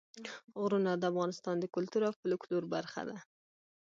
غرونه د افغانستان د کلتور او فولکلور برخه ده.